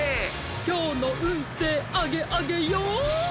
きょうのうんせいアゲアゲよ。